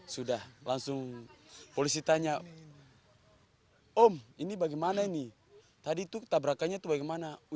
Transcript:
sudah langsung polisi tanya om ini bagaimana ini tadi tuh tabrakannya itu bagaimana